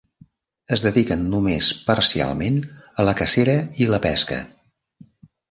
Es dediquen només parcialment a la cacera i la pesca.